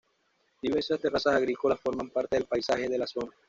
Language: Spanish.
Diversas terrazas agrícolas forman parte del paisaje de la zona.